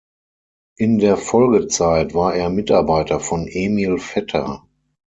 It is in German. In der Folgezeit war er Mitarbeiter von Emil Vetter.